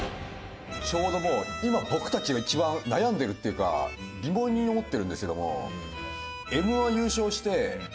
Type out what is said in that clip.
ちょうどもう今僕たちが一番悩んでるっていうか疑問に思ってるんですけども。